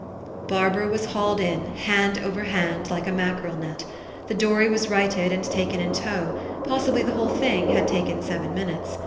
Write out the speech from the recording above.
Barbara was hauled in, hand over hand, like a mackerel net ; the dory was righted, and taken in tow possibly the whole thing had taken seven minutes.